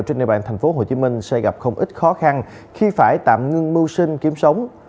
trên địa bàn tp hcm sẽ gặp không ít khó khăn khi phải tạm ngưng mưu mưu sinh kiếm sống